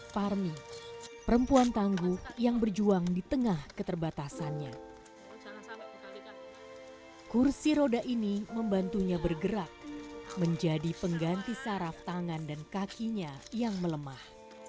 parmi perempuan tangguh yang berjuang di tengah keterbatasannya kursi roda ini membantunya bergerak menjadi pengganti saraf tangan dan kakinya yang melemah